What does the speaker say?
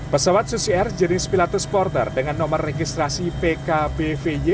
pesawat susier jenis pilatus porter dengan nomor registrasi pkbvy